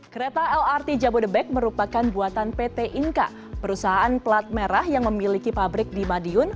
kereta lrt jabodebek merupakan buatan pt inka perusahaan plat merah yang memiliki pabrik di madiun